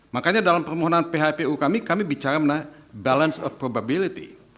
makanya dalam permohonan phpu kami kami bicara mengenai balance of probability